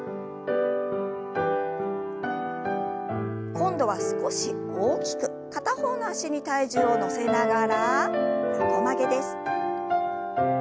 今度は少し大きく片方の脚に体重を乗せながら横曲げです。